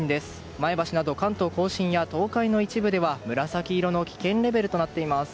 前橋など関東・甲信や東海の一部では紫色の危険レベルとなっています。